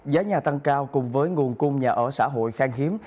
giá nhà tăng cao cùng với nguồn cung nhà ở xã hội khang hiếm